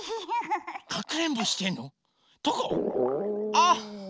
あっ！